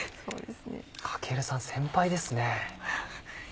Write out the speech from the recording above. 駈さん先輩ですね。